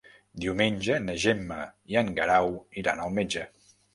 Diumenge na Gemma i en Guerau iran al metge.